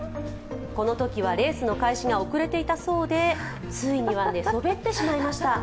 このときはレースの開始が遅れていたそうでついには寝そべってしまいました。